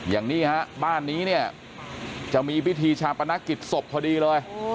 อย่างนี้ฮะบ้านนี้เนี่ยจะมีพิธีชาปนกิจศพพอดีเลย